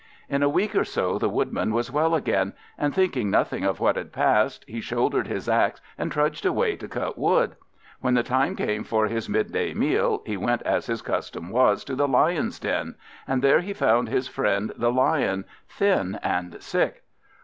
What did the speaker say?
In a week or so, the Woodman was well again; and thinking nothing of what had passed, he shouldered his axe, and trudged away to cut wood. When the time came for his midday meal, he went as his custom was to the Lion's den; and there he found his friend the Lion, thin and sick.